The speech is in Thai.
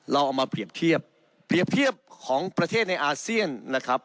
เราเอามาเปรียบเทียบเปรียบเทียบของประเทศในอาเซียนนะครับ